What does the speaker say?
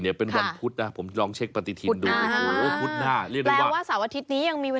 ดีดดีดดีดดีดดี